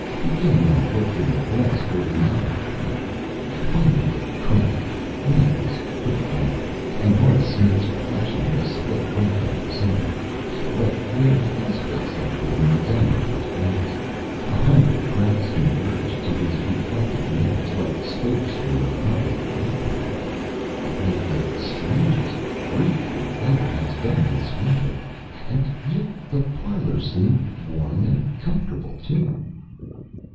He came and looked in the glass for an hour with me. Finally it cracked the night was pretty cold and Horace Smith's reflection was split right down the centre. But where his face had been the damage was greatest a hundred cracks converged to his reflected nose, like spokes from the hub of a wagon wheel. It was the strangest freak the weather has done this winter. And yet the parlor seemed warm and comfortable, too.